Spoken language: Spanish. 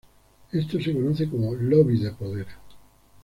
Esto se conoce como "lobby de poder".